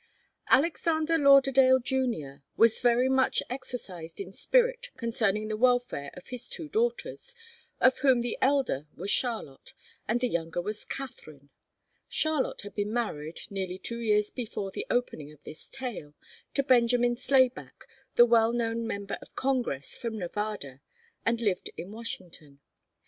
Alexander Lauderdale Junior was very much exercised in spirit concerning the welfare of his two daughters, of whom the elder was Charlotte and the younger was Katharine. Charlotte had been married, nearly two years before the opening of this tale, to Benjamin Slayback, the well known member of Congress from Nevada, and lived in Washington.